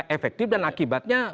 efektif dan akibatnya